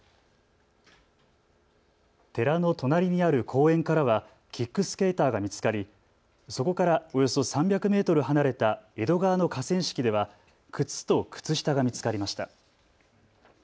寺の隣にある公園からはキックスケーターが見つかりそこからおよそ３００メートル離れた江戸川の河川敷では靴と靴下が見つかりました。